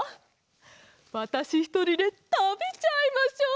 わたしひとりでたべちゃいましょう。